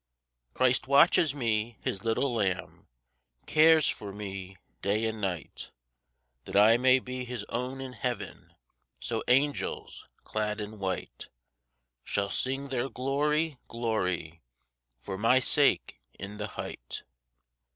Christ watches me, His little lamb, Cares for me day and night, That I may be His own in heav'n; So angels clad in white Shall sing their Glory, glory, For my sake in the height.